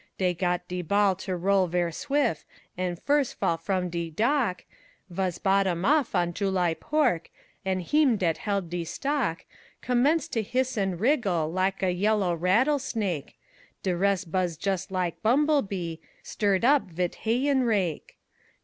Dey got de ball to roll ver' swif' An' firs' fall from de dock Vas bottom off on July pork; An' heem dat held de stock Commence to hiss an' wriggle Lak' a yellow rattlesnake; De res' buzz jus' lak' bumblebee Stirred op vit hayin' rake.